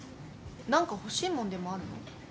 何か欲しいもんでもあんの？